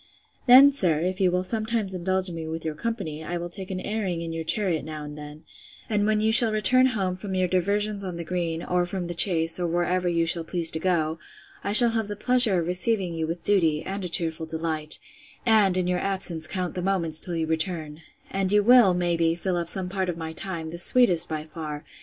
Then, sir, if you will sometimes indulge me with your company, I will take an airing in your chariot now and then: and when you shall return home from your diversions on the green, or from the chase, or where you shall please to go, I shall have the pleasure of receiving you with duty, and a cheerful delight; and, in your absence, count the moments till you return; and you will, may be, fill up some part of my time, the sweetest by far!